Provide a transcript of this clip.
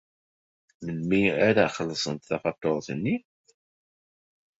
Melmi ara xellṣent tafatuṛt-nni?